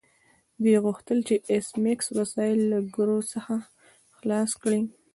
دوی غوښتل چې د ایس میکس وسایل له ګرو څخه خلاص کړي